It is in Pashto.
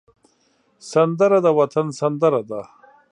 سندره د وطن سندره ده